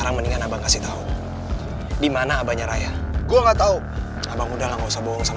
gak tau obar sama ni mana